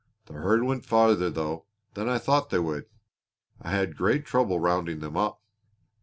The herd went farther, though, than I thought they would. I had great trouble rounding them up."